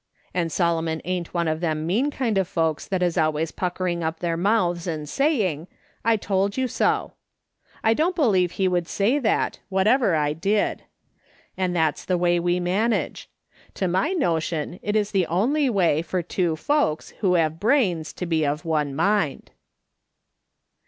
And Solo mon ain't one of them mean kind of folks tliat is always «o6 MRS. SOLOMON SMITH LOOKING ON. puckering up their mouths and saying, ' I told you so.' I don't beliove he would say that, whatever I did. And that's tho way we manage. To my notion, it is the only way, for two folks, who both have brains, to be of one mind."